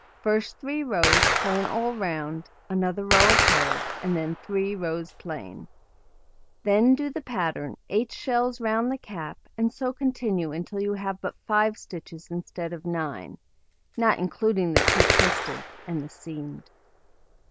First 3 rows plain all round, another row of holes, and then 3 rows plain. Then do the pattern 8 shells round the cap, and so continue until you have but 5 stitches instead of 9 (not including the 2 twisted, and the seamed).